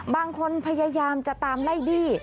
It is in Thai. บางคนพยายามจะตามไล่ดี